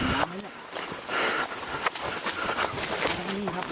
ตอนนี้เห็นมีอยู่ไหม